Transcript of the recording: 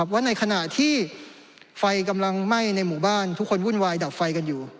ว่าในขณะที่ไฟกำลังไหม้ในหมู่บ้านทุกคนวุ่นวายดับไฟกันอยู่